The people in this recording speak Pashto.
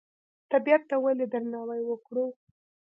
طبیعت ته ولې درناوی وکړو؟